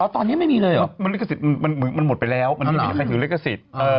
ตอนนี้ไม่มีเลยเหรอมันลิขสิทธิ์มันหมดไปแล้วมันไม่มีใครถือลิขสิทธิ์